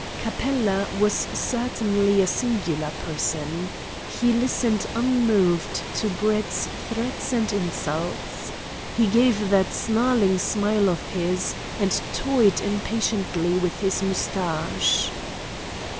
Capella was certainly a singular person. He listened unmoved to Brett's threats and insults. He gave that snarling smile of his, and toyed impatiently with his moustache.